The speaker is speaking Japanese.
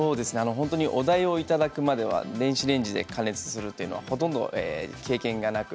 お題をいただくまでは電子レンジで加熱するというのはほとんど経験がなく